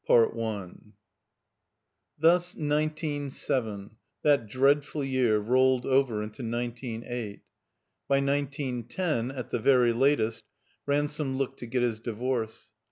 CHAPTER XXVIII THUS nineteen seven, that dreaxiful year, rolled over into nineteen eight. By nineteen ten, at the very latest, Ransome looked to get his divorce.